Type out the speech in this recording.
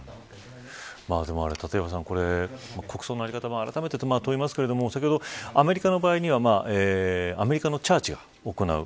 立岩さん、国葬の在り方も改めてと言いますけれども先ほど、アメリカの場合にはアメリカのチャーチが行う。